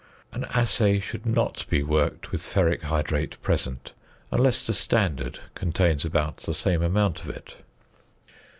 _An assay should not be worked with ferric hydrate present, unless the standard contains about the same amount of it.